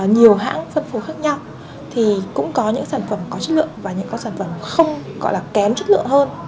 nhiều hãng phân phối khác nhau thì cũng có những sản phẩm có chất lượng và những sản phẩm không gọi là kém chất lượng hơn